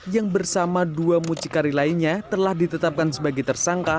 yang bersama dua mucikari lainnya telah ditetapkan sebagai tersangka